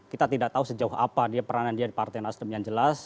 kita tidak tahu sejauh apa dia peranan dia di partai nasdem yang jelas